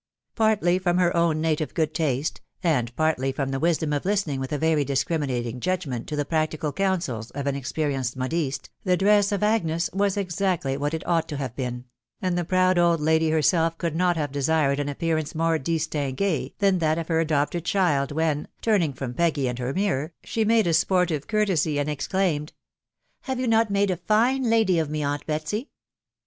Partly from her own native good taste, and partly from the wisdom of listening with a very discriminating judgment to the practical counsels of an experienced modiste, the drees of Agnes was exactly what it ought to have been ; and the proud old lady herself could not have desired an appearance moxedtetingufe than that of her adopted child, when, turning from Peggy and her mirror, ahe made her a sportive courtesy and exclaimed,— " Have you not made a fine lady of me, «unt Betsy